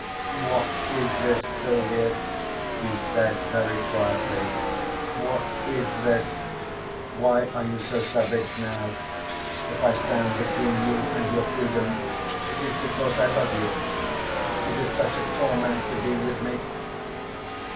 "What is this, Silvia?" he said very quietly, "what is this? Why are you so savage now? If I stand between you and your freedom it is because I love you. Is it such torment to be with me?"